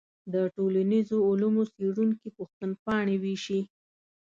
د ټولنیزو علومو څېړونکي پوښتنپاڼې ویشي.